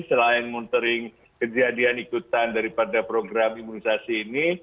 selain monitoring kejadian ikutan daripada program imunisasi ini